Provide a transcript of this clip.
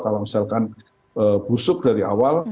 kalau misalkan busuk dari awal